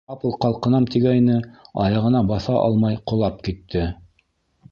Ҡапыл ҡалҡынам тигәйне, аяғына баҫа алмай, ҡолап китте.